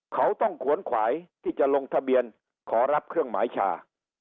เขาต้องขวนขวายที่จะลงทะเบียนขอรับเครื่องหมายชา